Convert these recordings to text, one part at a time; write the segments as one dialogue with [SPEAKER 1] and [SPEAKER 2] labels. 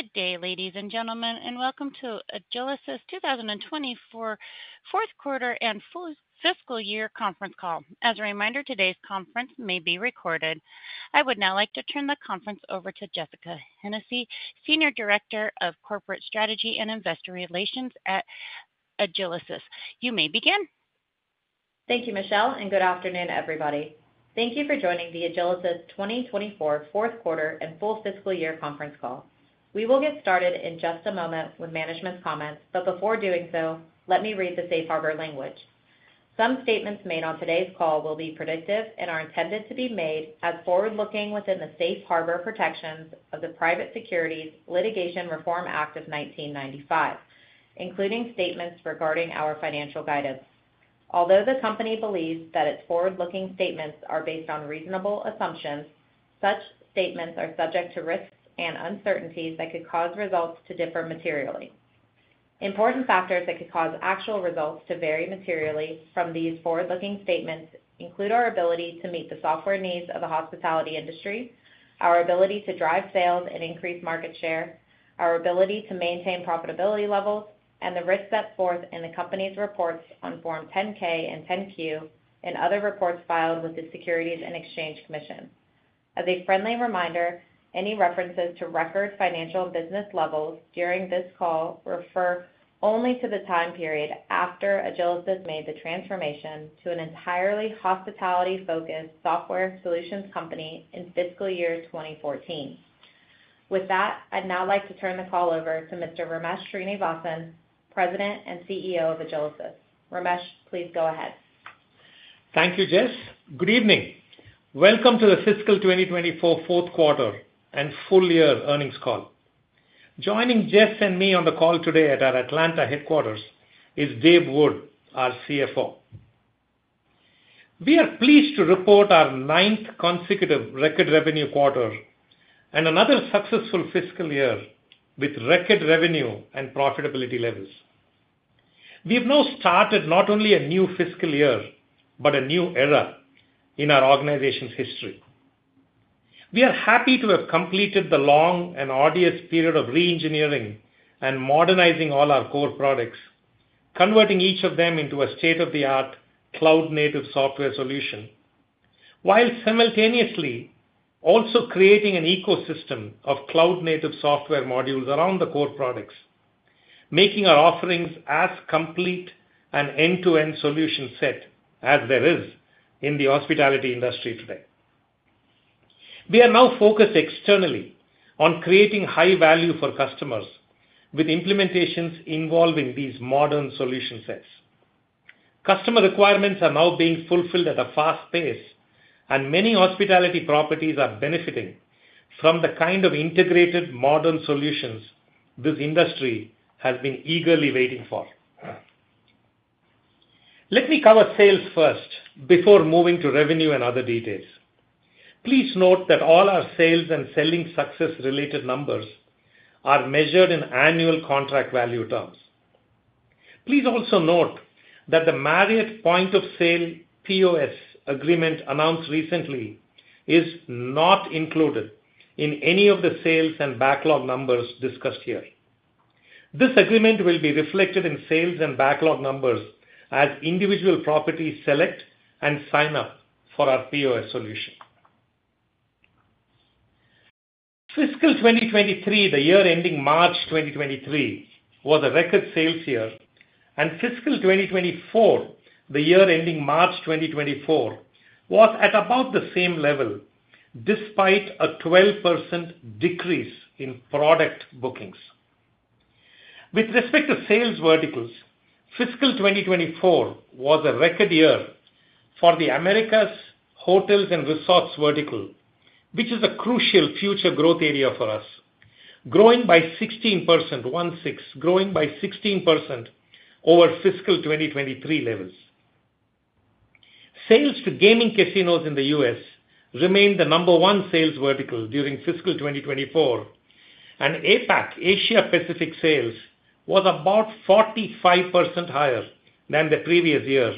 [SPEAKER 1] Good day, ladies and gentlemen, and welcome to Agilysys 2024 fourth quarter and full fiscal year conference call. As a reminder, today's conference may be recorded. I would now like to turn the conference over to Jessica Hennessy, Senior Director of Corporate Strategy and Investor Relations at Agilysys. You may begin.
[SPEAKER 2] Thank you, Michelle, and good afternoon, everybody. Thank you for joining the Agilysys 2024 fourth quarter and full fiscal year conference call. We will get started in just a moment with management's comments, but before doing so, let me read the safe harbor language. Some statements made on today's call will be predictive and are intended to be made as forward-looking within the Safe Harbor protections of the Private Securities Litigation Reform Act of 1995, including statements regarding our financial guidance. Although the company believes that its forward-looking statements are based on reasonable assumptions, such statements are subject to risks and uncertainties that could cause results to differ materially. Important factors that could cause actual results to vary materially from these forward-looking statements include our ability to meet the software needs of the hospitality industry, our ability to drive sales and increase market share, our ability to maintain profitability levels, and the risks set forth in the company's reports on Form 10-K and 10-Q and other reports filed with the Securities and Exchange Commission. As a friendly reminder, any references to record financial and business levels during this call refer only to the time period after Agilysys made the transformation to an entirely hospitality-focused software solutions company in fiscal year 2014. With that, I'd now like to turn the call over to Mr. Ramesh Srinivasan, President and CEO of Agilysys. Ramesh, please go ahead.
[SPEAKER 3] Thank you, Jess. Good evening. Welcome to the fiscal 2024 fourth quarter and full year earnings call. Joining Jess and me on the call today at our Atlanta headquarters is Dave Wood, our CFO. We are pleased to report our ninth consecutive record revenue quarter and another successful fiscal year with record revenue and profitability levels. We've now started not only a new fiscal year, but a new era in our organization's history. We are happy to have completed the long and arduous period of reengineering and modernizing all our core products, converting each of them into a state-of-the-art cloud-native software solution, while simultaneously also creating an ecosystem of cloud-native software modules around the core products, making our offerings as complete and end-to-end solution set as there is in the hospitality industry today. We are now focused externally on creating high value for customers with implementations involving these modern solution sets. Customer requirements are now being fulfilled at a fast pace, and many hospitality properties are benefiting from the kind of integrated modern solutions this industry has been eagerly waiting for. Let me cover sales first before moving to revenue and other details. Please note that all our sales and selling success-related numbers are measured in annual contract value terms. Please also note that the Marriott point of sale, POS, agreement announced recently is not included in any of the sales and backlog numbers discussed here. This agreement will be reflected in sales and backlog numbers as individual properties select and sign up for our POS solution. Fiscal 2023, the year ending March 2023, was a record sales year, and fiscal 2024, the year ending March 2024, was at about the same level, despite a 12% decrease in product bookings. With respect to sales verticals, fiscal 2024 was a record year for the Americas hotels and resorts vertical, which is a crucial future growth area for us, growing by 16%, growing by 16% over fiscal 2023 levels. Sales to gaming casinos in the U.S. remained the number one sales vertical during fiscal 2024, and APAC, Asia Pacific, sales was about 45% higher than the previous year,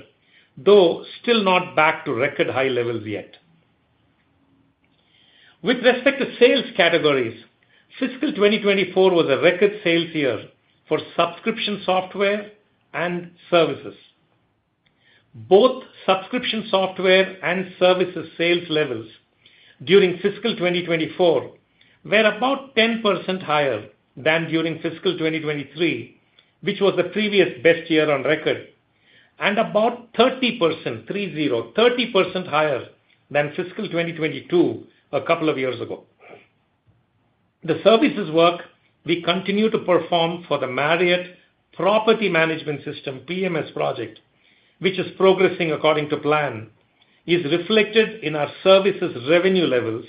[SPEAKER 3] though still not back to record high levels yet. With respect to sales categories, fiscal 2024 was a record sales year for subscription, software, and services. Both subscription, software, and services sales levels during fiscal 2024 were about 10% higher than during fiscal 2023, which was the previous best year on record, and about 30%, 30% higher than fiscal 2022, a couple of years ago. The services work we continue to perform for the Marriott Property Management System, PMS project, which is progressing according to plan, is reflected in our services revenue levels,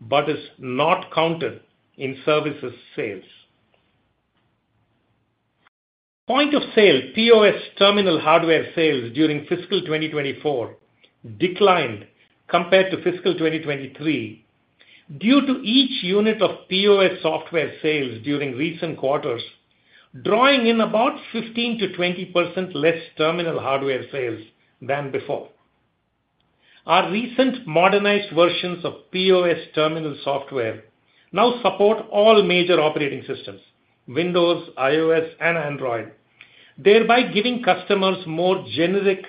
[SPEAKER 3] but is not counted in services sales. Point of sale, POS, terminal hardware sales during fiscal 2024 declined compared to fiscal 2023 due to each unit of POS software sales during recent quarters, drawing in about 15%-20% less terminal hardware sales than before. Our recent modernized versions of POS terminal software now support all major operating systems, Windows, iOS, and Android, thereby giving customers more generic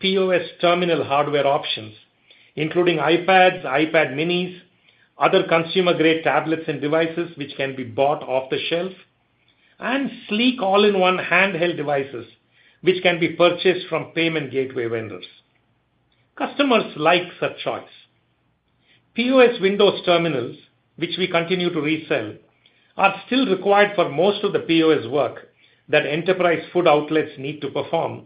[SPEAKER 3] POS terminal hardware options, including iPads, iPad Minis, other consumer-grade tablets and devices which can be bought off the shelf, and sleek all-in-one handheld devices, which can be purchased from payment gateway vendors. Customers like such choice. POS Windows terminals, which we continue to resell, are still required for most of the POS work that enterprise food outlets need to perform,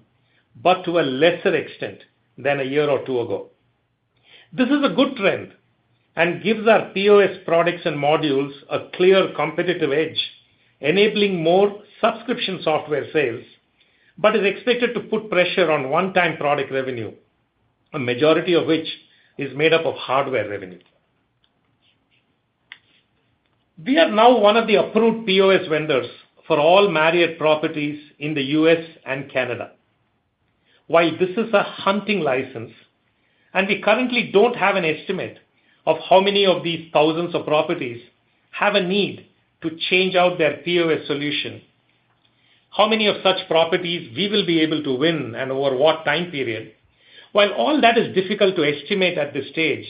[SPEAKER 3] but to a lesser extent than a year or two ago. This is a good trend, and gives our POS products and modules a clear competitive edge, enabling more subscription software sales, but is expected to put pressure on one-time product revenue, a majority of which is made up of hardware revenue. We are now one of the approved POS vendors for all Marriott properties in the U.S. and Canada. While this is a hunting license, and we currently don't have an estimate of how many of these thousands of properties have a need to change out their POS solution, how many of such properties we will be able to win, and over what time period? While all that is difficult to estimate at this stage,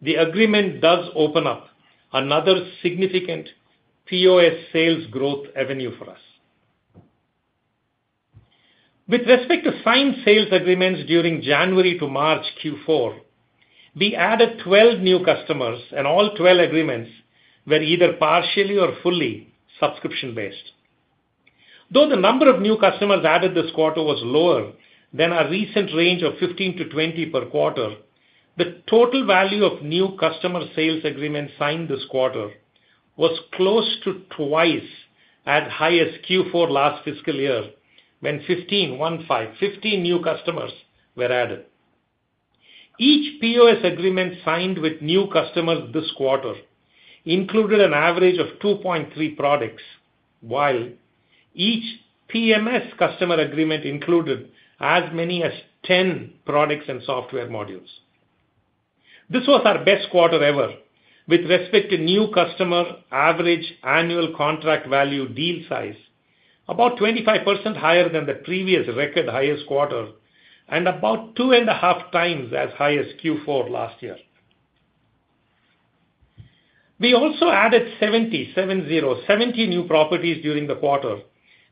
[SPEAKER 3] the agreement does open up another significant POS sales growth avenue for us. With respect to signed sales agreements during January to March Q4, we added 12 new customers, and all 12 agreements were either partially or fully subscription-based. Though the number of new customers added this quarter was lower than our recent range of 15-20 per quarter, the total value of new customer sales agreements signed this quarter was close to twice as high as Q4 last fiscal year, when 15, one five, 15 new customers were added. Each POS agreement signed with new customers this quarter included an average of 2.3 products, while each PMS customer agreement included as many as 10 products and software modules. This was our best quarter ever with respect to new customer average annual contract value deal size, about 25% higher than the previous record highest quarter, and about 2.5x as high as Q4 last year. We also added 70 new properties during the quarter,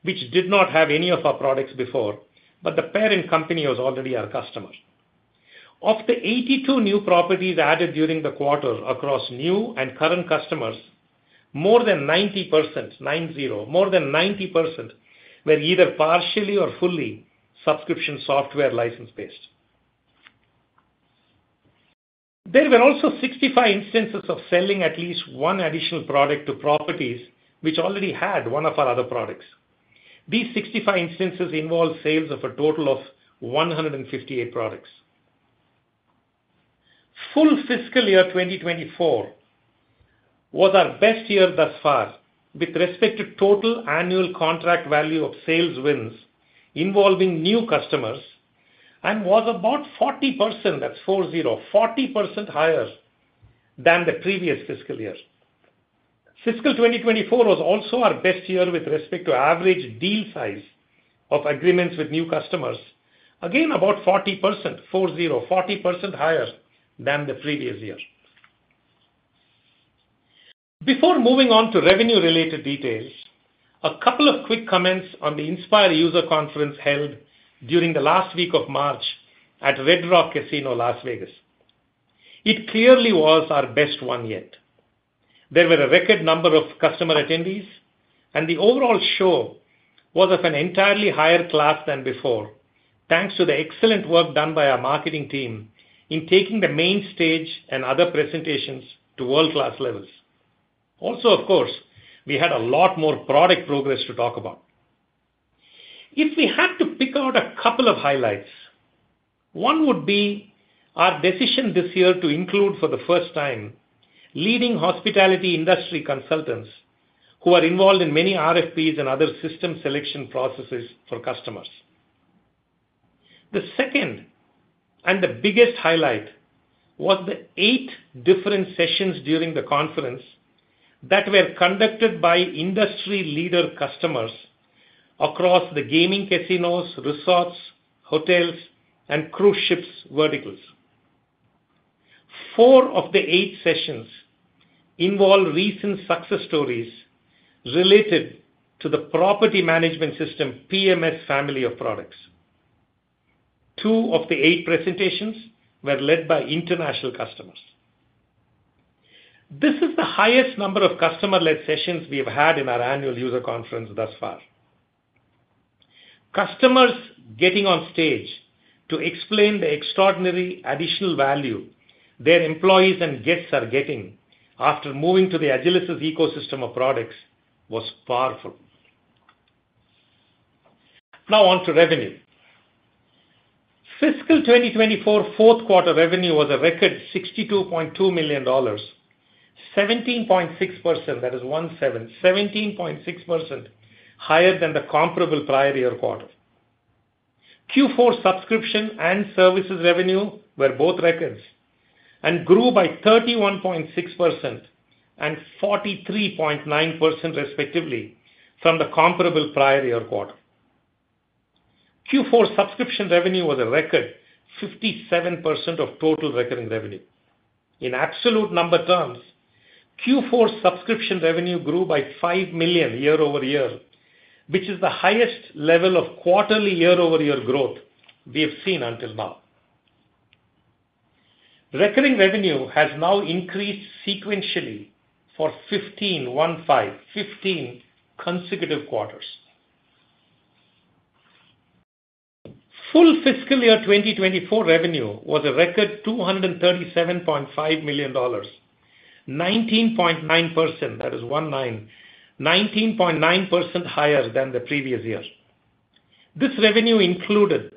[SPEAKER 3] which did not have any of our products before, but the parent company was already our customer. Of the 82 new properties added during the quarter across new and current customers, more than 90%, nine zero, more than 90%, were either partially or fully subscription software license-based. There were also 65 instances of selling at least one additional product to properties which already had one of our other products. These 65 instances involved sales of a total of 158 products. Full fiscal year 2024 was our best year thus far, with respect to total annual contract value of sales wins involving new customers, and was about 40%, that's four zero, 40% higher than the previous fiscal year. Fiscal 2024 was also our best year with respect to average deal size of agreements with new customers. Again, about 40%, four zero, 40% higher than the previous year. Before moving on to revenue-related details, a couple of quick comments on the Inspire User Conference held during the last week of March at Red Rock Casino, Las Vegas. It clearly was our best one yet. There were a record number of customer attendees, and the overall show was of an entirely higher class than before, thanks to the excellent work done by our marketing team in taking the main stage and other presentations to world-class levels. Also, of course, we had a lot more product progress to talk about. If we had to pick out a couple of highlights, one would be our decision this year to include, for the first time, leading hospitality industry consultants who are involved in many RFPs and other system selection processes for customers. The second, and the biggest highlight, was the eight different sessions during the conference that were conducted by industry leader customers across the gaming casinos, resorts, hotels, and cruise ships verticals. Four of the eight sessions involved recent success stories related to the property management system, PMS family of products. Two of the eight presentations were led by international customers. This is the highest number of customer-led sessions we've had in our annual user conference thus far. Customers getting on stage to explain the extraordinary additional value their employees and guests are getting after moving to the Agilysys ecosystem of products was powerful. Now on to revenue. Fiscal 2024 fourth quarter revenue was a record $62.2 million. 17.6%, that is one seven, 17.6% higher than the comparable prior year quarter. Q4 subscription and services revenue were both records, and grew by 31.6% and 43.9%, respectively, from the comparable prior year quarter. Q4 subscription revenue was a record 57% of total recurring revenue. In absolute number terms, Q4 subscription revenue grew by $5 million year-over-year, which is the highest level of quarterly year-over-year growth we have seen until now. Recurring revenue has now increased sequentially for 15, one five, 15 consecutive quarters. Full fiscal year 2024 revenue was a record $237.5 million, 19.9%, that is one nine, 19.9% higher than the previous year. This revenue included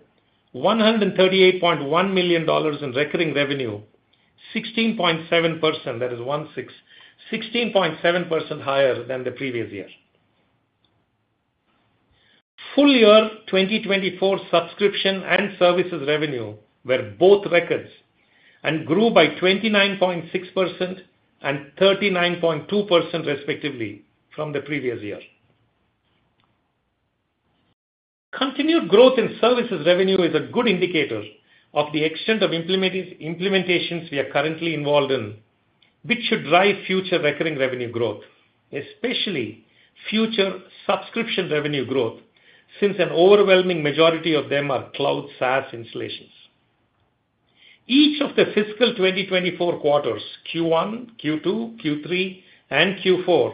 [SPEAKER 3] $138.1 million in recurring revenue, 16.7%, that is one six, 16.7% higher than the previous year. Full year 2024 subscription and services revenue were both records, and grew by 29.6% and 39.2%, respectively, from the previous year. Continued growth in services revenue is a good indicator of the extent of implementations we are currently involved in, which should drive future recurring revenue growth, especially future subscription revenue growth, since an overwhelming majority of them are cloud SaaS installations. Each of the fiscal 2024 quarters, Q1, Q2, Q3, and Q4,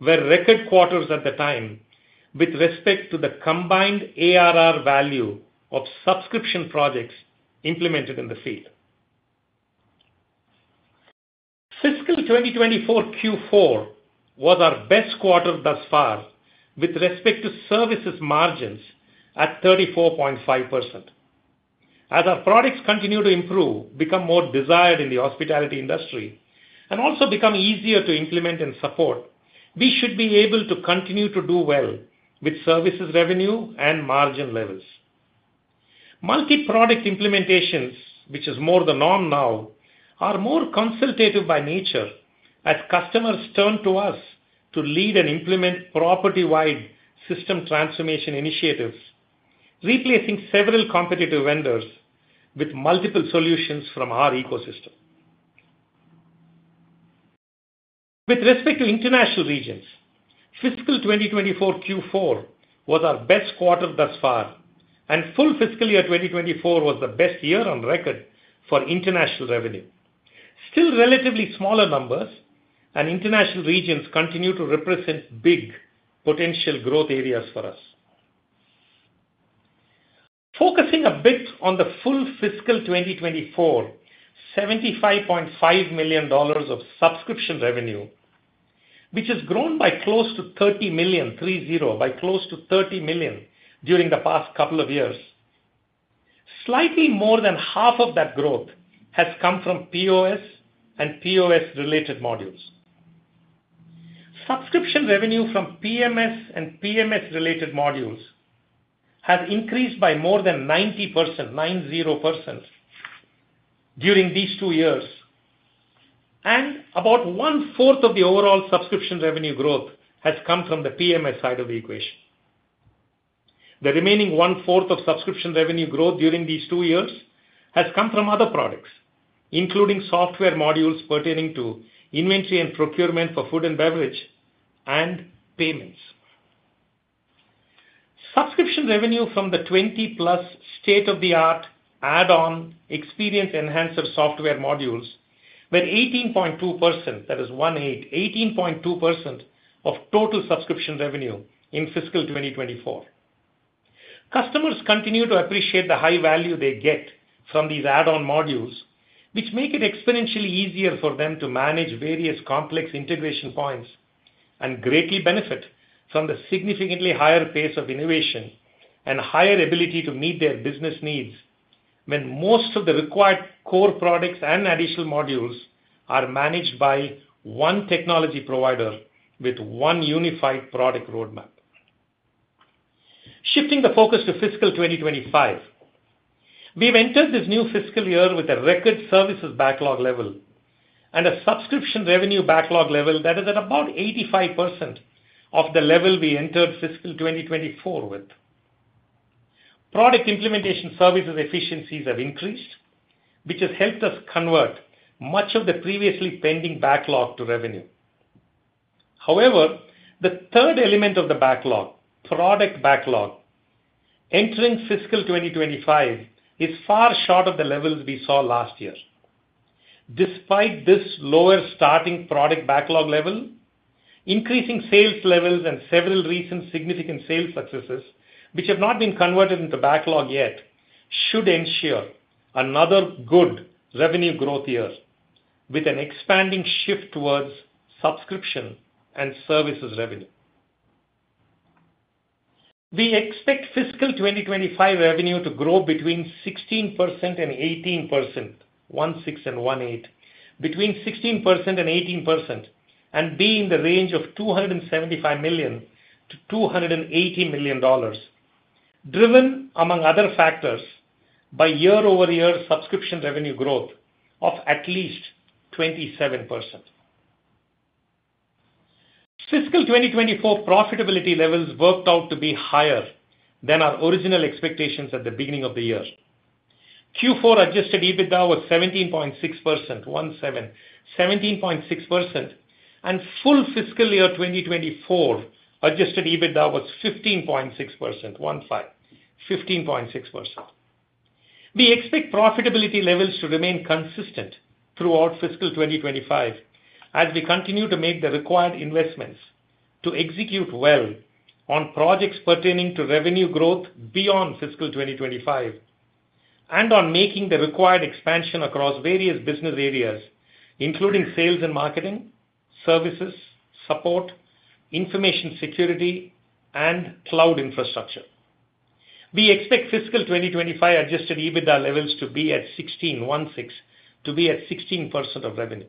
[SPEAKER 3] were record quarters at the time, with respect to the combined ARR value of subscription projects implemented in the field. Fiscal 2024 Q4 was our best quarter thus far, with respect to services margins at 34.5%. As our products continue to improve, become more desired in the hospitality industry, and also become easier to implement and support, we should be able to continue to do well with services, revenue, and margin levels. Multi-product implementations, which is more the norm now, are more consultative by nature as customers turn to us to lead and implement property-wide system transformation initiatives, replacing several competitive vendors with multiple solutions from our ecosystem. With respect to international regions, fiscal 2024 Q4 was our best quarter thus far, and full fiscal year 2024 was the best year on record for international revenue. Still, relatively smaller numbers and international regions continue to represent big potential growth areas for us. Focusing a bit on the full fiscal 2024, $75.5 million of subscription revenue, which has grown by close to 30 million, three zero, by close to 30 million during the past couple of years. Slightly more than half of that growth has come from POS and POS-related modules. Subscription revenue from PMS and PMS-related modules has increased by more than 90%, nine zero percent, during these two years, and about 1/4 of the overall subscription revenue growth has come from the PMS side of the equation. The remaining one-fourth of subscription revenue growth during these two years has come from other products, including software modules pertaining to inventory and procurement for food and beverage, and payments. Subscription revenue from the 20+ state-of-the-art add-on experience enhancer software modules were 18.2%, that is one eight, 18.2% of total subscription revenue in fiscal 2024. Customers continue to appreciate the high value they get from these add-on modules, which make it exponentially easier for them to manage various complex integration points, and greatly benefit from the significantly higher pace of innovation and higher ability to meet their business needs, when most of the required core products and additional modules are managed by one technology provider with one unified product roadmap. Shifting the focus to fiscal 2025, we've entered this new fiscal year with a record services backlog level and a subscription revenue backlog level that is at about 85% of the level we entered fiscal 2024 with. Product implementation services efficiencies have increased, which has helped us convert much of the previously pending backlog to revenue. However, the third element of the backlog, product backlog, entering fiscal 2025, is far short of the levels we saw last year. Despite this lower starting product backlog level, increasing sales levels and several recent significant sales successes, which have not been converted into backlog yet, should ensure another good revenue growth year with an expanding shift towards subscription and services revenue. We expect fiscal 2025 revenue to grow between 16% and 18%, one six and one eight, between 16% and 18%, and be in the range of $275 million-$280 million, driven, among other factors, by year-over-year subscription revenue growth of at least 27%. Fiscal 2024 profitability levels worked out to be higher than our original expectations at the beginning of the year. Q4 adjusted EBITDA was 17.6%, one seven, 17.6%, and full fiscal year 2024 adjusted EBITDA was 15.6%, one five, 15.6%. We expect profitability levels to remain consistent throughout fiscal 2025, as we continue to make the required investments to execute well on projects pertaining to revenue growth beyond fiscal 2025, and on making the required expansion across various business areas, including sales and marketing, services, support, information security, and cloud infrastructure. We expect fiscal 2025 adjusted EBITDA levels to be at 16, one six, to be at 16% of revenue.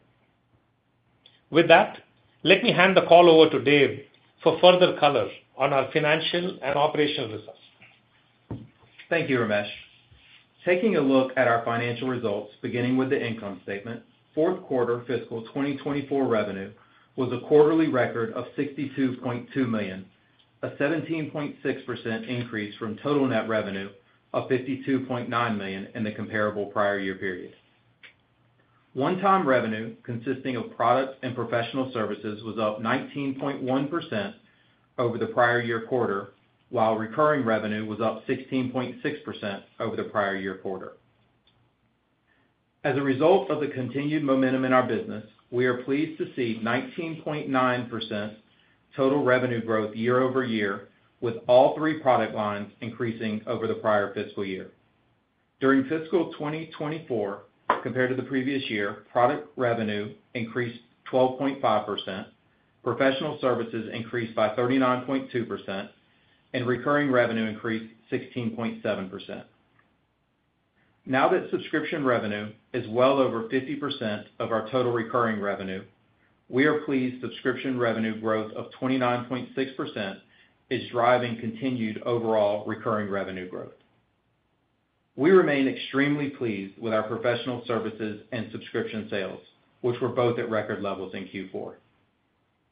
[SPEAKER 3] With that, let me hand the call over to Dave for further color on our financial and operational results.
[SPEAKER 4] Thank you, Ramesh. Taking a look at our financial results, beginning with the income statement, fourth quarter fiscal 2024 revenue was a quarterly record of $62.2 million, a 17.6% increase from total net revenue of $52.9 million in the comparable prior year period. One-time revenue, consisting of products and professional services, was up 19.1% over the prior year quarter, while recurring revenue was up 16.6% over the prior year quarter. As a result of the continued momentum in our business, we are pleased to see 19.9% total revenue growth year over year, with all three product lines increasing over the prior fiscal year. During fiscal 2024, compared to the previous year, product revenue increased 12.5%, professional services increased by 39.2%, and recurring revenue increased 16.7%. Now that subscription revenue is well over 50% of our total recurring revenue, we are pleased subscription revenue growth of 29.6% is driving continued overall recurring revenue growth. We remain extremely pleased with our professional services and subscription sales, which were both at record levels in Q4.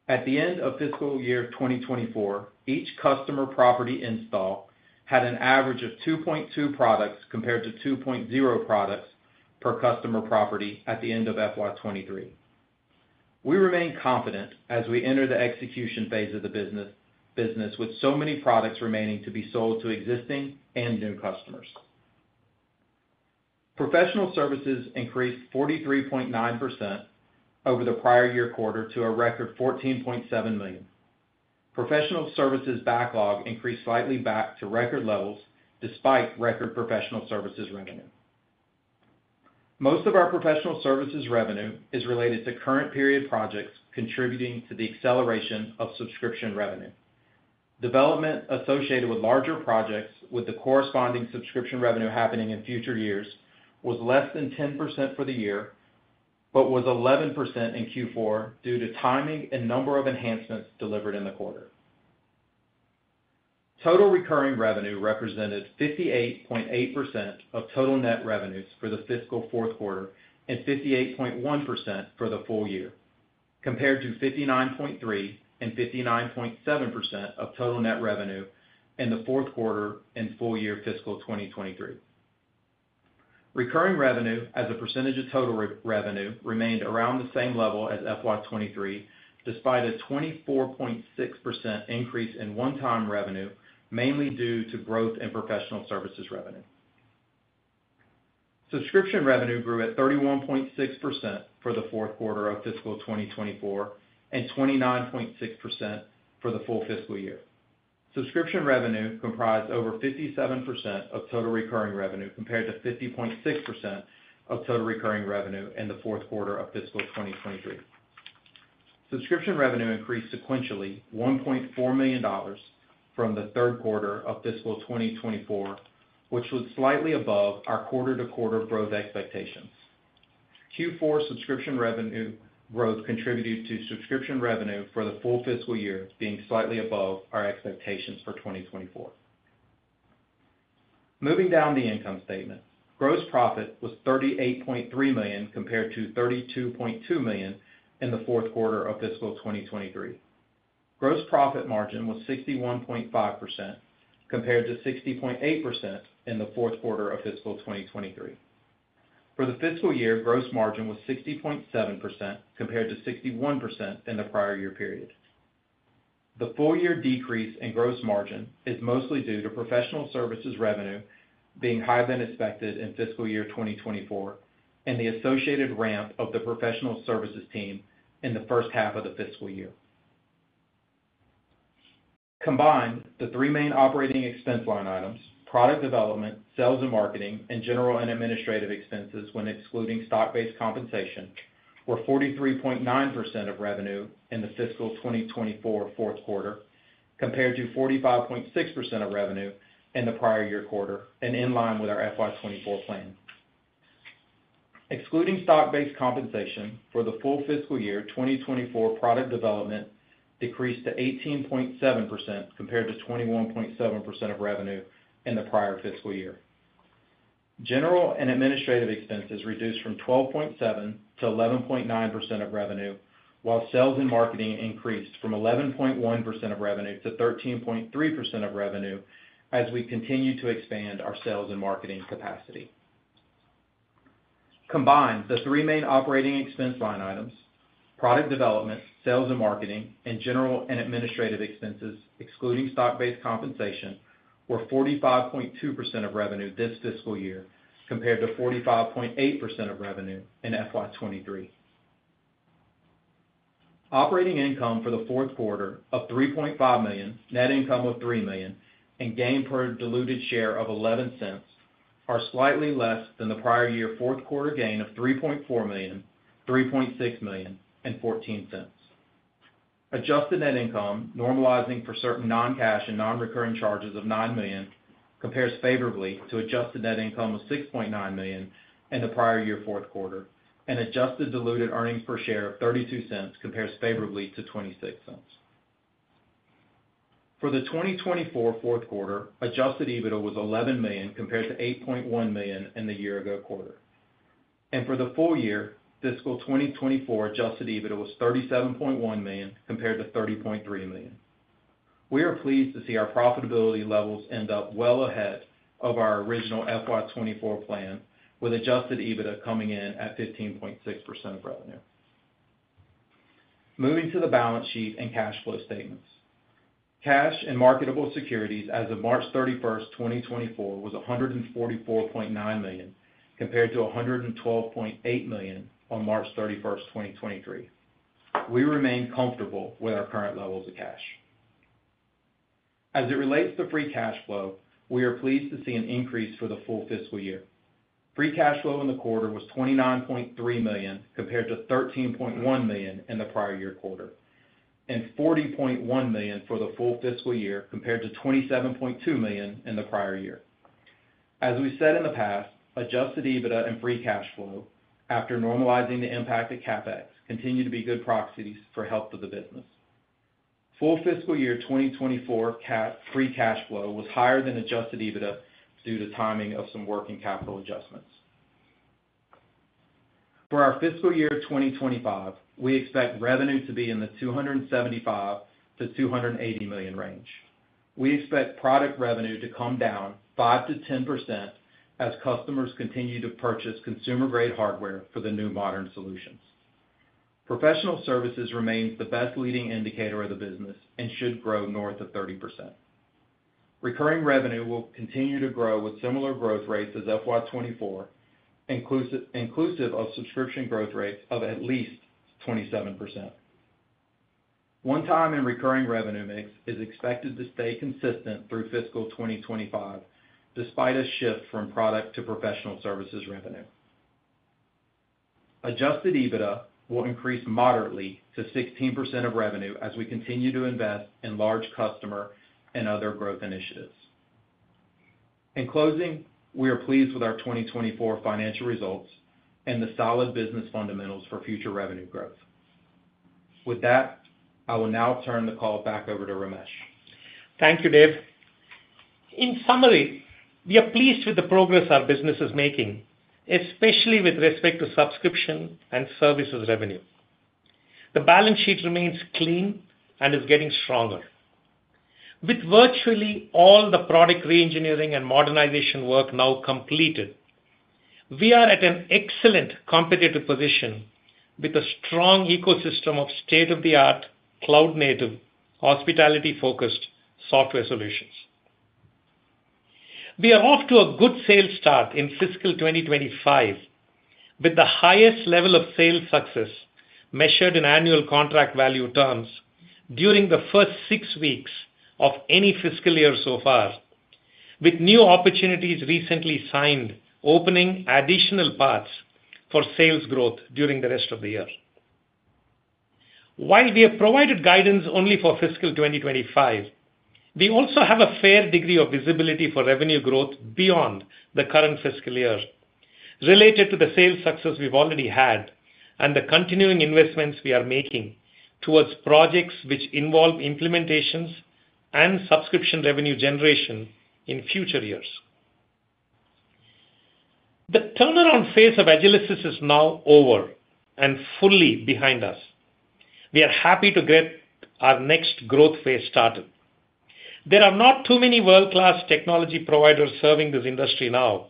[SPEAKER 4] At the end of fiscal year 2024, each customer property install had an average of 2.2 products, compared to 2.0 products per customer property at the end of FY 2023. We remain confident as we enter the execution phase of the business with so many products remaining to be sold to existing and new customers. Professional services increased 43.9% over the prior year quarter to a record $14.7 million. Professional services backlog increased slightly back to record levels, despite record professional services revenue. Most of our professional services revenue is related to current period projects contributing to the acceleration of subscription revenue. Development associated with larger projects, with the corresponding subscription revenue happening in future years, was less than 10% for the year, but was 11% in Q4 due to timing and number of enhancements delivered in the quarter. Total recurring revenue represented 58.8% of total net revenues for the fiscal fourth quarter and 58.1% for the full year, compared to 59.3% and 59.7% of total net revenue in the fourth quarter and full year fiscal 2023. Recurring revenue, as a percentage of total revenue, remained around the same level as FY 2023, despite a 24.6% increase in one-time revenue, mainly due to growth in professional services revenue. Subscription revenue grew at 31.6% for the fourth quarter of fiscal 2024, and 29.6% for the full fiscal year. Subscription revenue comprised over 57% of total recurring revenue, compared to 50.6% of total recurring revenue in the fourth quarter of fiscal 2023. Subscription revenue increased sequentially, $1.4 million from the third quarter of fiscal 2024, which was slightly above our quarter-to-quarter growth expectations. Q4 subscription revenue growth contributed to subscription revenue for the full fiscal year being slightly above our expectations for 2024. Moving down the income statement. Gross profit was $38.3 million, compared to $32.2 million in the fourth quarter of fiscal 2023. Gross profit margin was 61.5%, compared to 60.8% in the fourth quarter of fiscal 2023. For the fiscal year, gross margin was 60.7%, compared to 61% in the prior year period. The full-year decrease in gross margin is mostly due to professional services revenue being higher than expected in fiscal year 2024, and the associated ramp of the professional services team in the first half of the fiscal year. Combined, the three main operating expense line items, product development, sales and marketing, and general and administrative expenses when excluding stock-based compensation, were 43.9% of revenue in the fiscal 2024 fourth quarter, compared to 45.6% of revenue in the prior year quarter and in line with our FY 2024 plan. Excluding stock-based compensation for the full fiscal year 2024 product development decreased to 18.7% compared to 21.7% of revenue in the prior fiscal year. General and administrative expenses reduced from 12.7% to 11.9% of revenue, while sales and marketing increased from 11.1% of revenue to 13.3% of revenue as we continue to expand our sales and marketing capacity. Combined, the three main operating expense line items, product development, sales and marketing, and general and administrative expenses, excluding stock-based compensation, were 45.2% of revenue this fiscal year, compared to 45.8% of revenue in FY 2023. Operating income for the fourth quarter of $3.5 million, net income of $3 million, and earnings per diluted share of $0.11, are slightly less than the prior year fourth quarter earnings of $3.4 million, $3.6 million, and $0.14. Adjusted net income, normalizing for certain non-cash and non-recurring charges of $9 million, compares favorably to adjusted net income of $6.9 million in the prior year fourth quarter, and adjusted diluted earnings per share of $0.32 compares favorably to $0.26. For the 2024 fourth quarter, adjusted EBITDA was $11 million, compared to $8.1 million in the year ago quarter. For the full year, fiscal 2024 adjusted EBITDA was $37.1 million compared to $30.3 million. We are pleased to see our profitability levels end up well ahead of our original FY 2024 plan, with adjusted EBITDA coming in at 15.6% of revenue. Moving to the balance sheet and cash flow statements. Cash and marketable securities as of March 31st, 2024, was $144.9 million, compared to $112.8 million on March 31st, 2023. We remain comfortable with our current levels of cash. As it relates to free cash flow, we are pleased to see an increase for the full fiscal year. Free cash flow in the quarter was $29.3 million, compared to $13.1 million in the prior year quarter, and $40.1 million for the full fiscal year, compared to $27.2 million in the prior year. As we said in the past, adjusted EBITDA and free cash flow, after normalizing the impact of CapEx, continue to be good proxies for health of the business. Full fiscal year 2024 free cash flow was higher than adjusted EBITDA due to timing of some working capital adjustments. For our fiscal year 2025, we expect revenue to be in the $275 million-$280 million range. We expect product revenue to come down 5%-10% as customers continue to purchase consumer-grade hardware for the new modern solutions. Professional services remains the best leading indicator of the business and should grow north of 30%. Recurring revenue will continue to grow with similar growth rates as FY 2024, inclusive of subscription growth rates of at least 27%. One-time and recurring revenue mix is expected to stay consistent through fiscal 2025, despite a shift from product to professional services revenue. Adjusted EBITDA will increase moderately to 16% of revenue as we continue to invest in large customer and other growth initiatives. In closing, we are pleased with our 2024 financial results and the solid business fundamentals for future revenue growth. With that, I will now turn the call back over to Ramesh.
[SPEAKER 3] Thank you, Dave. In summary, we are pleased with the progress our business is making, especially with respect to subscription and services revenue. The balance sheet remains clean and is getting stronger. With virtually all the product reengineering and modernization work now completed, we are at an excellent competitive position with a strong ecosystem of state-of-the-art, cloud-native, hospitality-focused software solutions. We are off to a good sales start in fiscal 2025, with the highest level of sales success measured in annual contract value terms during the first six weeks of any fiscal year so far, with new opportunities recently signed, opening additional paths for sales growth during the rest of the year. While we have provided guidance only for fiscal 2025, we also have a fair degree of visibility for revenue growth beyond the current fiscal year, related to the sales success we've already had and the continuing investments we are making towards projects which involve implementations and subscription revenue generation in future years. The turnaround phase of Agilysys is now over and fully behind us. We are happy to get our next growth phase started. There are not too many world-class technology providers serving this industry now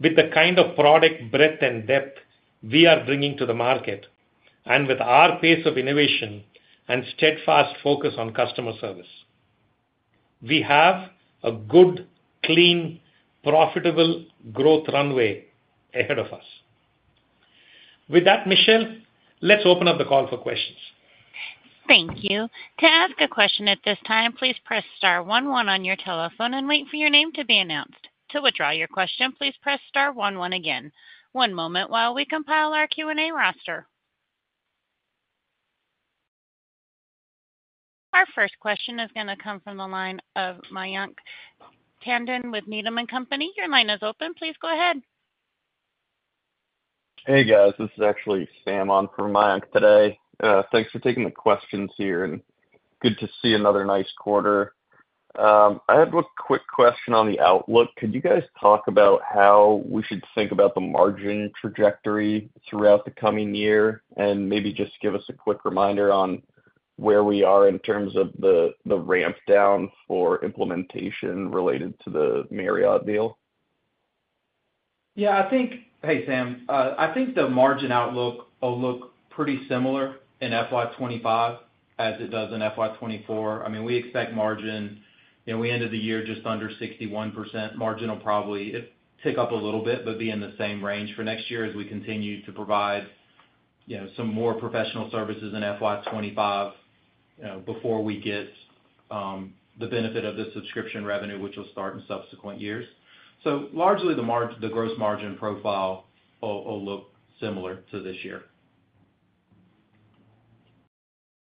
[SPEAKER 3] with the kind of product breadth and depth we are bringing to the market, and with our pace of innovation and steadfast focus on customer service. We have a good, clean, profitable growth runway ahead of us. With that, Michelle, let's open up the call for questions.
[SPEAKER 1] Thank you. To ask a question at this time, please press star one, one on your telephone and wait for your name to be announced. To withdraw your question, please press star one, one again. One moment while we compile our Q&A roster. Our first question is gonna come from the line of Mayank Tandon with Needham & Company. Your line is open. Please go ahead.
[SPEAKER 5] Hey, guys, this is actually Sam on for Mayank today. Thanks for taking the questions here, and good to see another nice quarter. I had one quick question on the outlook. Could you guys talk about how we should think about the margin trajectory throughout the coming year? And maybe just give us a quick reminder on where we are in terms of the ramp down for implementation related to the Marriott deal.
[SPEAKER 4] Yeah, I think. Hey, Sam. I think the margin outlook will look pretty similar in FY 2025 as it does in FY 2024. I mean, we expect margin. You know, we ended the year just under 61%. Margin will probably tick up a little bit, but be in the same range for next year as we continue to provide, you know, some more professional services in FY 2025, before we get the benefit of the subscription revenue, which will start in subsequent years. So largely, the gross margin profile will look similar to this year.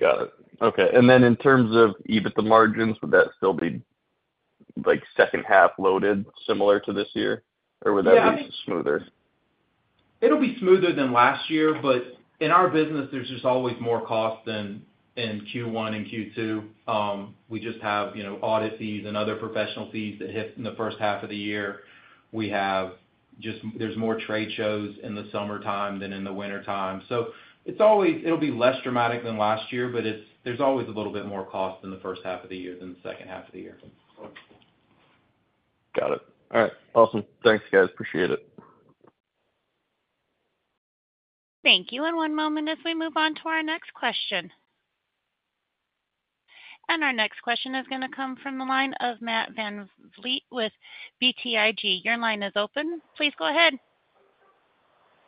[SPEAKER 5] Got it. Okay. And then in terms of EBITDA margins, would that still be, like, second half loaded, similar to this year?
[SPEAKER 4] Yeah, I-
[SPEAKER 5] Or would that be smoother?
[SPEAKER 4] It'll be smoother than last year, but in our business, there's just always more cost than in Q1 and Q2. We just have, you know, audit fees and other professional fees that hit in the first half of the year. We have just. There's more trade shows in the summertime than in the wintertime. So it's always. It'll be less dramatic than last year, but it's. There's always a little bit more cost in the first half of the year than the second half of the year.
[SPEAKER 5] Got it. All right. Awesome. Thanks, guys. Appreciate it.
[SPEAKER 1] Thank you, and one moment as we move on to our next question. Our next question is gonna come from the line of Matt VanVliet with BTIG. Your line is open. Please go ahead.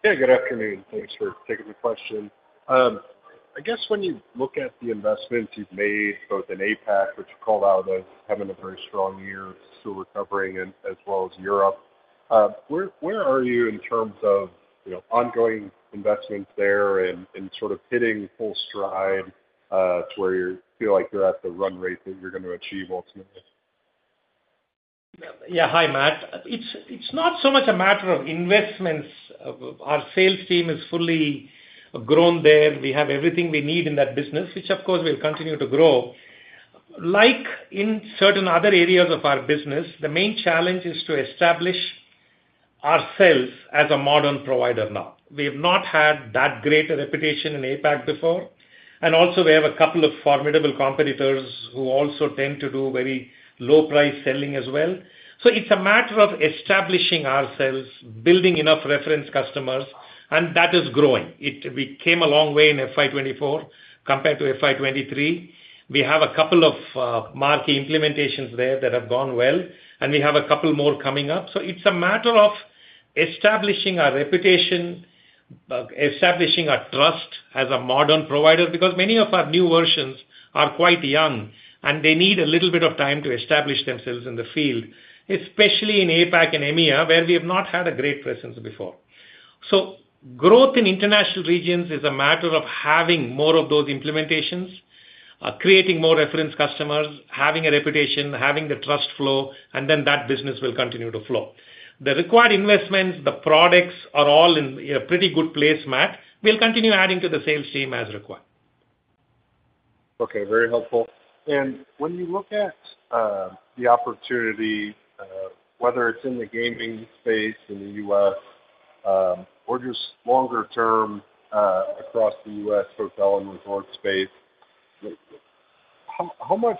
[SPEAKER 6] Yeah, good afternoon. Thanks for taking the question. I guess when you look at the investments you've made, both in APAC, which you called out as having a very strong year, still recovering, and as well as Europe, where are you in terms of, you know, ongoing investments there and sort of hitting full stride, to where you feel like you're at the run rate that you're going to achieve ultimately?
[SPEAKER 3] Yeah. Hi, Matt. It's, it's not so much a matter of investments. Our sales team is fully grown there. We have everything we need in that business, which, of course, will continue to grow. Like in certain other areas of our business, the main challenge is to establish ourselves as a modern provider now. We have not had that great a reputation in APAC before, and also we have a couple of formidable competitors who also tend to do very low price selling as well. So it's a matter of establishing ourselves, building enough reference customers, and that is growing. We came a long way in FY 2024 compared to FY 2023. We have a couple of marquee implementations there that have gone well, and we have a couple more coming up. So it's a matter of establishing our reputation, establishing our trust as a modern provider, because many of our new versions are quite young, and they need a little bit of time to establish themselves in the field, especially in APAC and EMEA, where we have not had a great presence before. So growth in international regions is a matter of having more of those implementations, creating more reference customers, having a reputation, having the trust flow, and then that business will continue to flow. The required investments, the products, are all in a pretty good place, Matt. We'll continue adding to the sales team as required.
[SPEAKER 6] Okay, very helpful. And when you look at the opportunity, whether it's in the gaming space in the U.S., or just longer term, across the U.S. hotel and resort space, how much,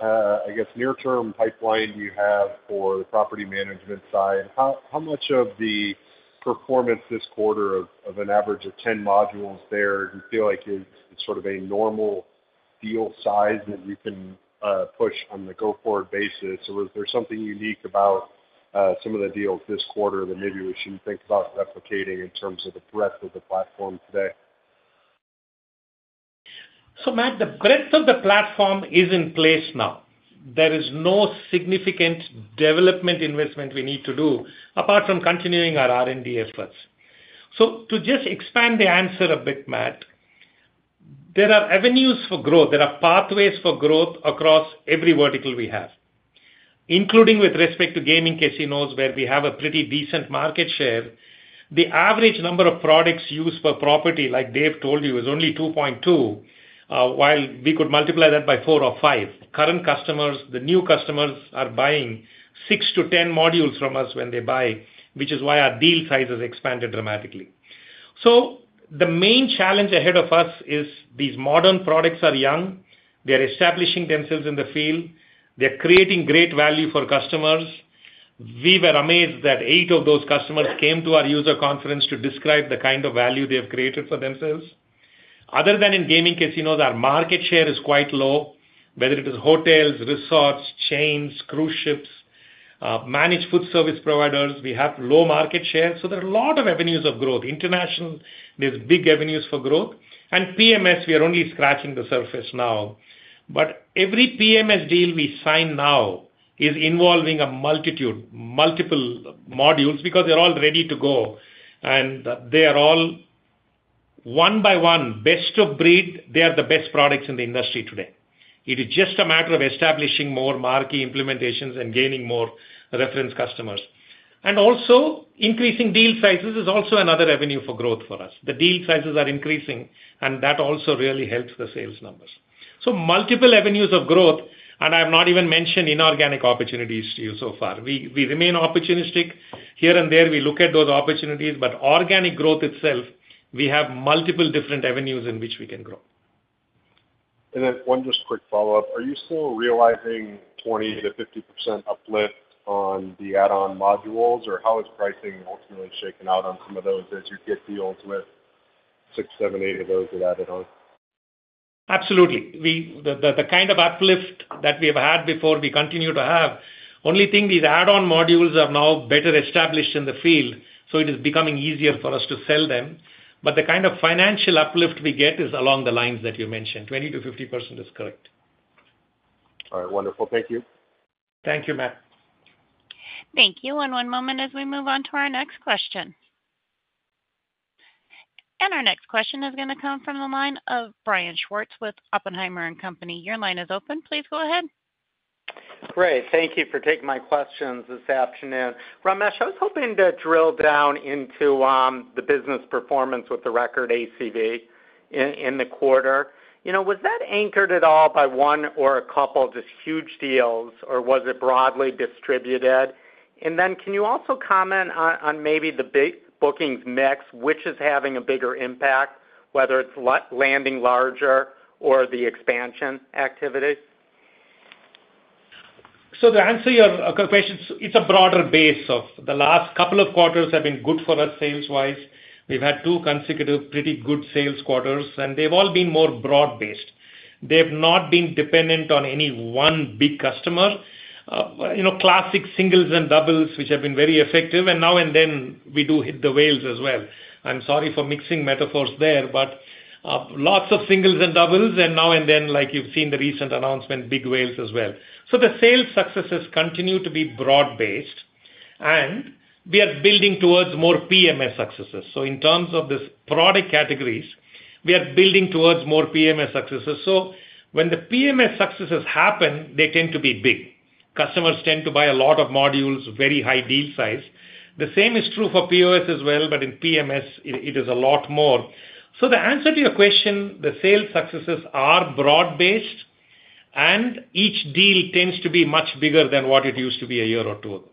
[SPEAKER 6] I guess, near-term pipeline do you have for the property management side? How much of the performance this quarter of an average of 10 modules there, do you feel like is sort of a normal deal size that you can push on the go-forward basis? Or is there something unique about some of the deals this quarter that maybe we should think about replicating in terms of the breadth of the platform today?
[SPEAKER 3] So, Matt, the breadth of the platform is in place now. There is no significant development investment we need to do, apart from continuing our R&D efforts. So to just expand the answer a bit, Matt, there are avenues for growth, there are pathways for growth across every vertical we have, including with respect to gaming casinos, where we have a pretty decent market share. The average number of products used per property, like Dave told you, is only 2.2, while we could multiply that by four or five. Current customers, the new customers, are buying 6-10 modules from us when they buy, which is why our deal size has expanded dramatically. So the main challenge ahead of us is these modern products are young. They are establishing themselves in the field. They're creating great value for customers. We were amazed that eight of those customers came to our user conference to describe the kind of value they have created for themselves. Other than in gaming casinos, our market share is quite low, whether it is hotels, resorts, chains, cruise ships, managed food service providers, we have low market share. So there are a lot of avenues of growth. International, there's big avenues for growth, and PMS, we are only scratching the surface now. But every PMS deal we sign now is involving multiple modules because they're all ready to go, and they are all, one by one, best of breed. They are the best products in the industry today. It is just a matter of establishing more marquee implementations and gaining more reference customers. And also, increasing deal sizes is also another avenue for growth for us. The deal sizes are increasing, and that also really helps the sales numbers. So multiple avenues of growth, and I've not even mentioned inorganic opportunities to you so far. We, we remain opportunistic. Here and there, we look at those opportunities, but organic growth itself, we have multiple different avenues in which we can grow.
[SPEAKER 6] Then one just quick follow-up. Are you still realizing 20%-50% uplift on the add-on modules? Or how is pricing ultimately shaken out on some of those as you get deals with 6, 7, 8 of those with added on?
[SPEAKER 3] Absolutely. The kind of uplift that we have had before, we continue to have. Only thing, these add-on modules are now better established in the field, so it is becoming easier for us to sell them. But the kind of financial uplift we get is along the lines that you mentioned. 20%-50% is correct.
[SPEAKER 6] All right. Wonderful. Thank you.
[SPEAKER 3] Thank you, Matt.
[SPEAKER 1] Thank you. And one moment as we move on to our next question. And our next question is gonna come from the line of Brian Schwartz with Oppenheimer and Company. Your line is open. Please go ahead.
[SPEAKER 7] Great. Thank you for taking my questions this afternoon. Ramesh, I was hoping to drill down into the business performance with the record ACV in the quarter. You know, was that anchored at all by one or a couple of just huge deals, or was it broadly distributed? And then can you also comment on maybe the big bookings mix, which is having a bigger impact, whether it's landing larger or the expansion activities?
[SPEAKER 3] So to answer your couple questions, it's a broader base of... The last couple of quarters have been good for us sales-wise. We've had two consecutive pretty good sales quarters, and they've all been more broad-based. They've not been dependent on any one big customer. You know, classic singles and doubles, which have been very effective, and now and then, we do hit the whales as well. I'm sorry for mixing metaphors there, but, lots of singles and doubles, and now and then, like you've seen the recent announcement, big whales as well. So the sales successes continue to be broad-based, and we are building towards more PMS successes. So in terms of this product categories, we are building towards more PMS successes. So when the PMS successes happen, they tend to be big. Customers tend to buy a lot of modules, very high deal size. The same is true for POS as well, but in PMS, it is a lot more. So to answer your question, the sales successes are broad-based, and each deal tends to be much bigger than what it used to be a year or two ago.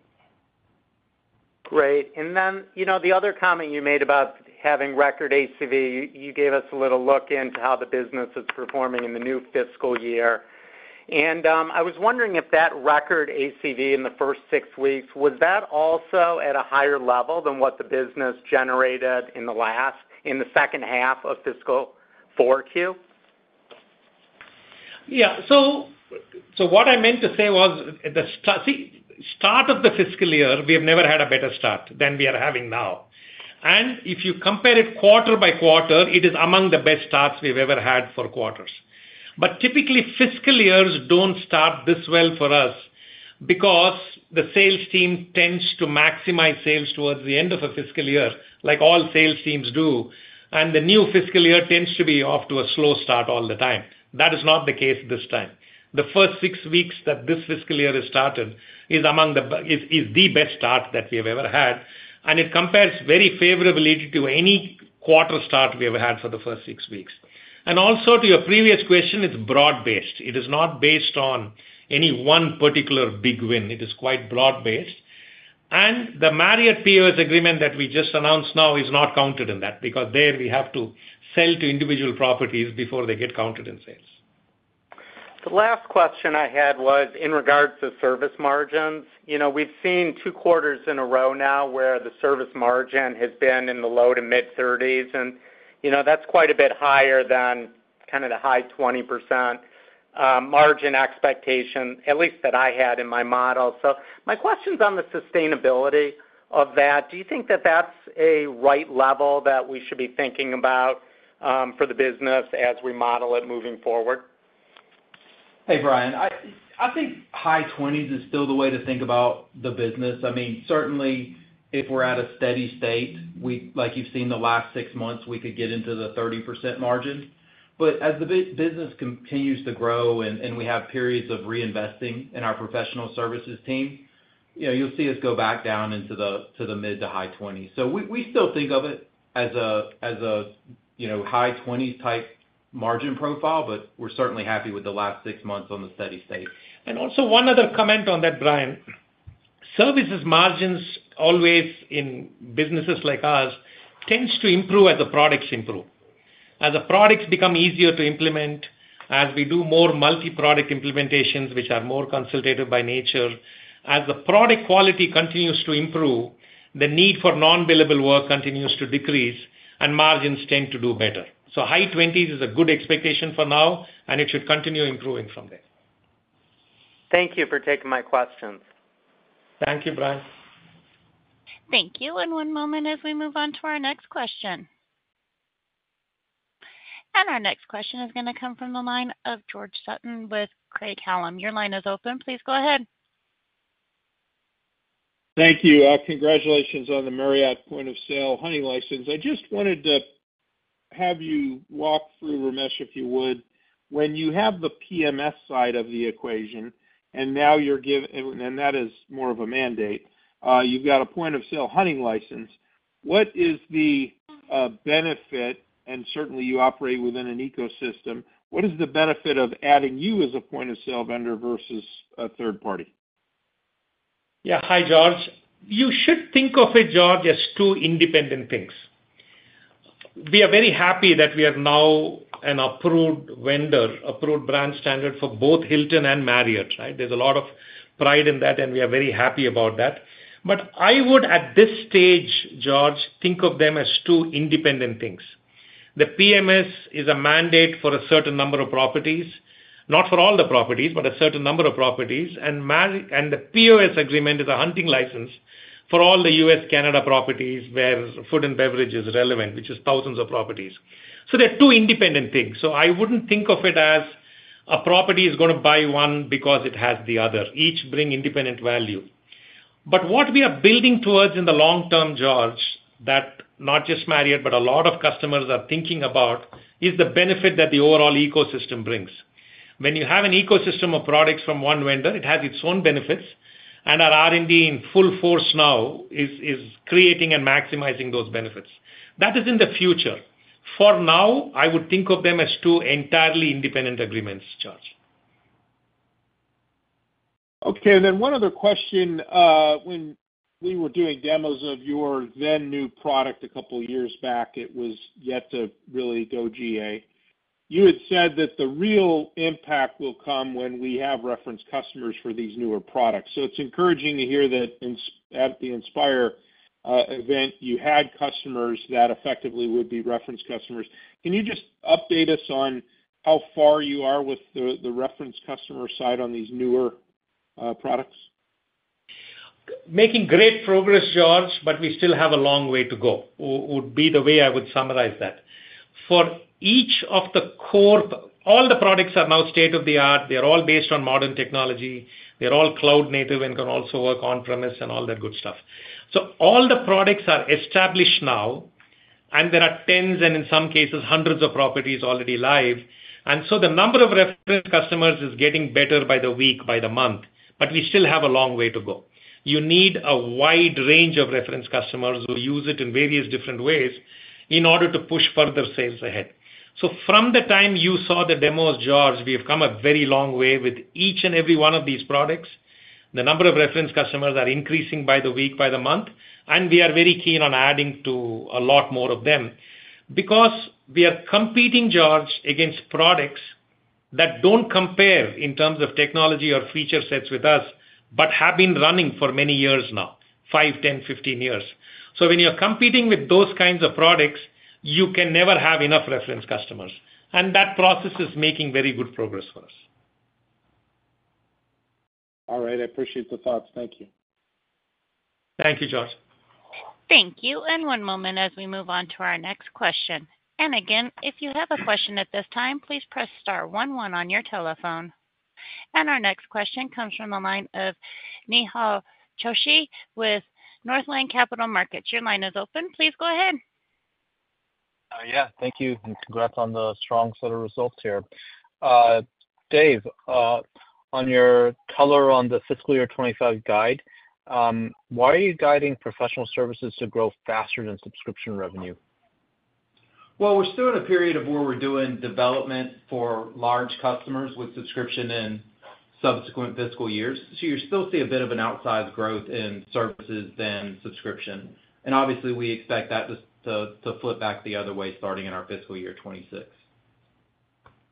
[SPEAKER 7] Great. And then, you know, the other comment you made about having record ACV, you gave us a little look into how the business is performing in the new fiscal year. And I was wondering if that record ACV in the first six weeks was also at a higher level than what the business generated in the second half of fiscal 4Q?
[SPEAKER 3] Yeah. So what I meant to say was, the start of the fiscal year, we have never had a better start than we are having now. And if you compare it quarter by quarter, it is among the best starts we've ever had for quarters. But typically, fiscal years don't start this well for us because the sales team tends to maximize sales towards the end of a fiscal year, like all sales teams do, and the new fiscal year tends to be off to a slow start all the time. That is not the case this time. The first six weeks that this fiscal year has started is the best start that we have ever had, and it compares very favorably to any quarter start we ever had for the first six weeks. And also, to your previous question, it's broad-based. It is not based on any one particular big win. It is quite broad-based. The Marriott POS agreement that we just announced now is not counted in that, because there we have to sell to individual properties before they get counted in sales.
[SPEAKER 7] The last question I had was in regards to service margins. You know, we've seen two quarters in a row now where the service margin has been in the low-to-mid 30s, and, you know, that's quite a bit higher than kind of the high 20% margin expectation, at least that I had in my model. So my question's on the sustainability of that. Do you think that that's a right level that we should be thinking about, for the business as we model it moving forward?
[SPEAKER 4] Hey, Brian. I think high 20s is still the way to think about the business. I mean, certainly, if we're at a steady state, like you've seen the last six months, we could get into the 30% margin. But as the business continues to grow and we have periods of reinvesting in our professional services team, you know, you'll see us go back down into the mid to high 20s. So we still think of it as a high 20s-type margin profile, but we're certainly happy with the last six months on the steady state.
[SPEAKER 3] And also one other comment on that, Brian. Services margins, always in businesses like ours, tends to improve as the products improve. As the products become easier to implement, as we do more multi-product implementations, which are more consultative by nature, as the product quality continues to improve, the need for non-billable work continues to decrease, and margins tend to do better. So high 20s is a good expectation for now, and it should continue improving from there.
[SPEAKER 7] Thank you for taking my questions.
[SPEAKER 3] Thank you, Brian.
[SPEAKER 1] Thank you. One moment as we move on to our next question. Our next question is going to come from the line of George Sutton with Craig-Hallum. Your line is open. Please go ahead.
[SPEAKER 8] Thank you. Congratulations on the Marriott point-of-sale hunting license. I just wanted to have you walk through, Ramesh, if you would, when you have the PMS side of the equation, and now you're and that is more of a mandate. You've got a point-of-sale hunting license. What is the benefit and certainly you operate within an ecosystem. What is the benefit of adding you as a point-of-sale vendor versus a third party?
[SPEAKER 3] Yeah. Hi, George. You should think of it, George, as two independent things. We are very happy that we are now an approved vendor, approved brand standard for both Hilton and Marriott, right? There's a lot of pride in that, and we are very happy about that. But I would, at this stage, George, think of them as two independent things. The PMS is a mandate for a certain number of properties, not for all the properties, but a certain number of properties. And Marriott and the POS agreement is a hunting license for all the U.S., Canada properties where food and beverage is relevant, which is thousands of properties. So they're two independent things. So I wouldn't think of it as a property is going to buy one because it has the other. Each bring independent value. But what we are building towards in the long term, George, that not just Marriott, but a lot of customers are thinking about, is the benefit that the overall ecosystem brings. When you have an ecosystem of products from one vendor, it has its own benefits, and our R&D in full force now is creating and maximizing those benefits. That is in the future. For now, I would think of them as two entirely independent agreements, George.
[SPEAKER 8] Okay, then one other question. When we were doing demos of your then new product a couple of years back, it was yet to really go GA. You had said that the real impact will come when we have reference customers for these newer products. So it's encouraging to hear that at the Inspire event, you had customers that effectively would be reference customers. Can you just update us on how far you are with the reference customer side on these newer products?
[SPEAKER 3] Making great progress, George, but we still have a long way to go. Would be the way I would summarize that. For each of the core - all the products are now state-of-the-art. They are all based on modern technology. They're all cloud native and can also work on-premise and all that good stuff. So all the products are established now, and there are tens, and in some cases, hundreds of properties already live. And so the number of reference customers is getting better by the week, by the month, but we still have a long way to go. You need a wide range of reference customers who use it in various different ways in order to push further sales ahead. So from the time you saw the demos, George, we have come a very long way with each and every one of these products. The number of reference customers are increasing by the week, by the month, and we are very keen on adding to a lot more of them. Because we are competing, George, against products that don't compare in terms of technology or feature sets with us, but have been running for many years now, 5, 10, 15 years. So when you're competing with those kinds of products, you can never have enough reference customers, and that process is making very good progress for us.
[SPEAKER 8] All right, I appreciate the thoughts. Thank you.
[SPEAKER 3] Thank you, George.
[SPEAKER 1] Thank you. One moment as we move on to our next question. Again, if you have a question at this time, please press star one, one on your telephone. Our next question comes from the line of Nehal Chokshi with Northland Capital Markets. Your line is open. Please go ahead.
[SPEAKER 9] Yeah, thank you, and congrats on the strong set of results here. Dave, on your color on the fiscal year 2025 guide, why are you guiding professional services to grow faster than subscription revenue?
[SPEAKER 4] Well, we're still in a period of where we're doing development for large customers with subscription in subsequent fiscal years. So you still see a bit of an outsized growth in services than subscription. And obviously, we expect that to flip back the other way, starting in our fiscal year 2026.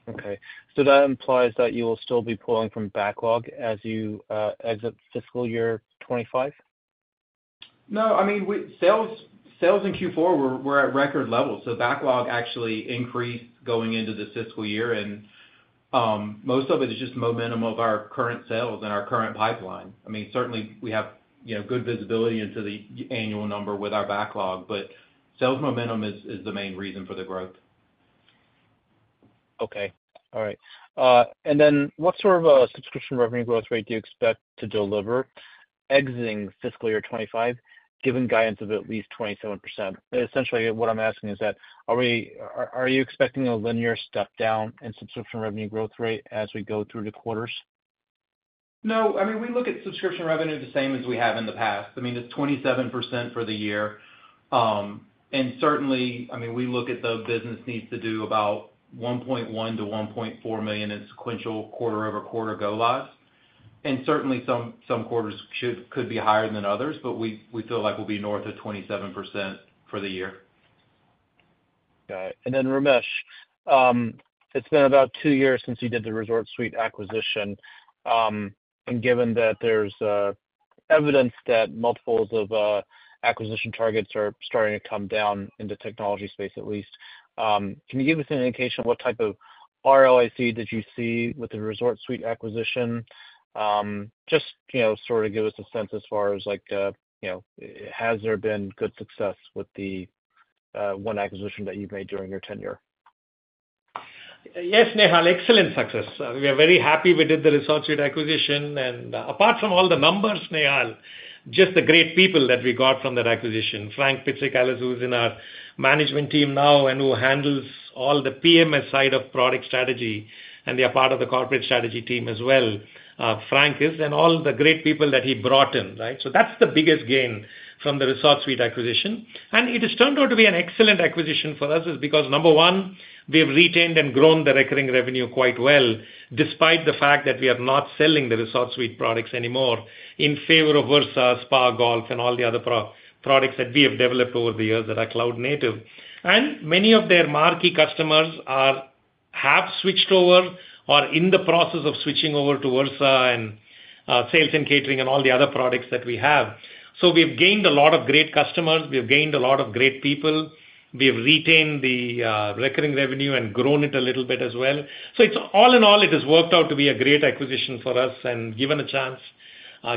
[SPEAKER 9] Okay, so that implies that you will still be pulling from backlog as you exit fiscal year 2025?
[SPEAKER 4] No, I mean, sales in Q4 were at record levels, so backlog actually increased going into this fiscal year. Most of it is just momentum of our current sales and our current pipeline. I mean, certainly we have, you know, good visibility into the annual number with our backlog, but sales momentum is the main reason for the growth.
[SPEAKER 9] Okay. All right. And then what sort of a subscription revenue growth rate do you expect to deliver exiting fiscal year 2025, given guidance of at least 27%? Essentially, what I'm asking is that, are you expecting a linear step down in subscription revenue growth rate as we go through the quarters?
[SPEAKER 4] No. I mean, we look at subscription revenue the same as we have in the past. I mean, it's 27% for the year. And certainly, I mean, we look at the business needs to do about $1.1 million-$1.4 million in sequential quarter-over-quarter go-lives, and certainly some quarters could be higher than others, but we feel like we'll be north of 27% for the year.
[SPEAKER 9] Got it. And then Ramesh, it's been about two years since you did the ResortSuite acquisition. And given that there's evidence that multiples of acquisition targets are starting to come down in the technology space at least, can you give us an indication of what type of ROIC did you see with the ResortSuite acquisition? Just, you know, sort of give us a sense as far as like, you know, has there been good success with the one acquisition that you've made during your tenure?
[SPEAKER 3] Yes, Nehal, excellent success. We are very happy we did the ResortSuite acquisition. And apart from all the numbers, Nehal, just the great people that we got from that acquisition, Frank Pitsikalis, who's in our management team now and who handles all the PMS side of product strategy, and they are part of the corporate strategy team as well, Frank is, and all the great people that he brought in, right? So that's the biggest gain from the ResortSuite acquisition. And it has turned out to be an excellent acquisition for us, is because, number one, we have retained and grown the recurring revenue quite well, despite the fact that we are not selling the ResortSuite products anymore in favor of Versa, Spa, Golf, and all the other products that we have developed over the years that are cloud-native. And many of their marquee customers have switched over or are in the process of switching over to Versa and Sales & Catering and all the other products that we have. So we've gained a lot of great customers. We have gained a lot of great people. We have retained the recurring revenue and grown it a little bit as well. So it's all in all, it has worked out to be a great acquisition for us, and given a chance,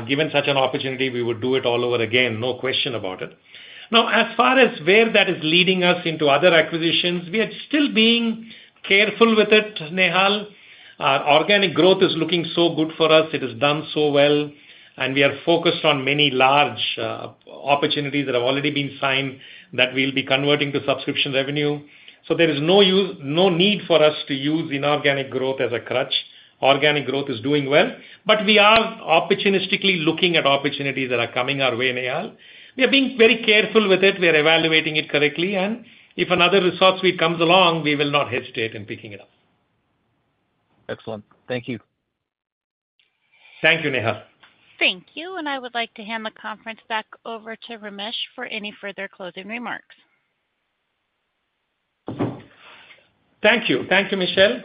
[SPEAKER 3] given such an opportunity, we would do it all over again, no question about it. Now, as far as where that is leading us into other acquisitions, we are still being careful with it, Nehal. Our organic growth is looking so good for us. It has done so well, and we are focused on many large opportunities that have already been signed that we'll be converting to subscription revenue. So there is no use, no need for us to use inorganic growth as a crutch. Organic growth is doing well, but we are opportunistically looking at opportunities that are coming our way, Nehal. We are being very careful with it. We are evaluating it correctly, and if another ResortSuite comes along, we will not hesitate in picking it up.
[SPEAKER 9] Excellent. Thank you.
[SPEAKER 3] Thank you, Nehal.
[SPEAKER 1] Thank you, and I would like to hand the conference back over to Ramesh for any further closing remarks.
[SPEAKER 3] Thank you. Thank you, Michelle.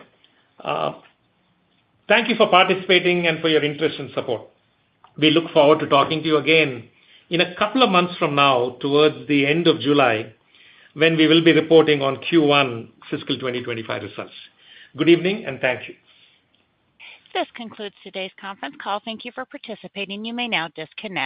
[SPEAKER 3] Thank you for participating and for your interest and support. We look forward to talking to you again in a couple of months from now, towards the end of July, when we will be reporting on Q1 fiscal 2025 results. Good evening, and thank you.
[SPEAKER 1] This concludes today's conference call. Thank you for participating. You may now disconnect.